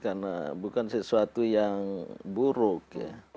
karena bukan sesuatu yang buruk